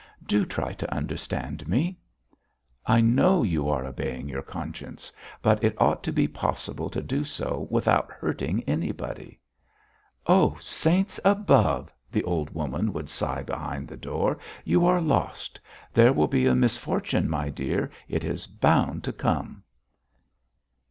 Do try to understand me!" "I know you are obeying your conscience, but it ought to be possible to do so without hurting anybody." "Oh, saints above!" the old woman would sigh behind the door. "You are lost. There will be a misfortune, my dear. It is bound to come."